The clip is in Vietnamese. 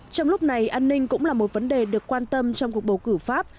trong lúc này an ninh cũng là một vấn đề được quan tâm trong cuộc bầu cử pháp